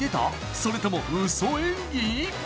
それともウソ演技？